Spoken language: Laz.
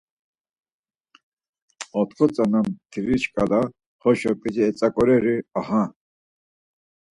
Otxo tzana mtiri şǩala haşo, p̌ici etzaǩoreri aha!